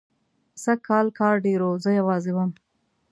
سږکال کار ډېر و، زه یوازې وم.